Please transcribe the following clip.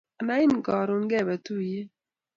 Anain karon kebe tuyiet